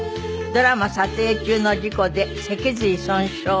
ドラマ撮影中の事故で脊髄損傷。